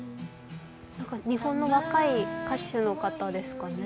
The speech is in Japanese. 日本の若い歌手の方ですかね。